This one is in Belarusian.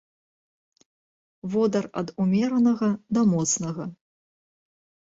Водар ад умеранага да моцнага.